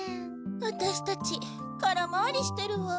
ワタシたち空回りしてるわ。